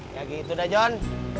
gak gitu dah jon